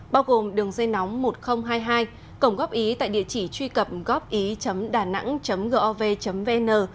bao gồm đường dây nóng một nghìn hai mươi hai cổng góp ý tại địa chỉ truy cập gopi danang gov vn